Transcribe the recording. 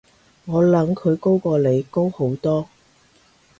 我諗佢高過你，高好多